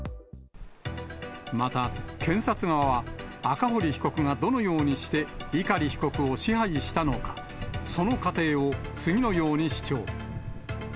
また検察側は、赤堀被告がどのようにして碇被告を支配したのか、その過程を次のように主張。